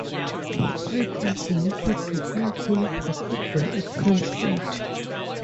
Pippen committed to play college basketball at Kent State.